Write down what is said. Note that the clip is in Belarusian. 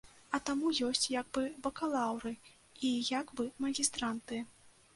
А таму ёсць як бы бакалаўры і як бы магістранты.